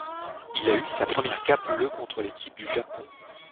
Il a eu sa première cape le contre l'équipe du Japon.